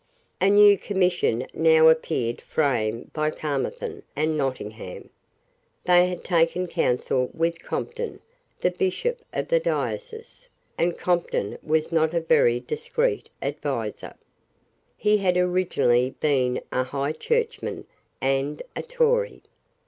A new Commission now appeared framed by Caermarthen and Nottingham. They had taken counsel with Compton, the Bishop of the diocese; and Compton was not a very discreet adviser. He had originally been a High Churchman and a Tory.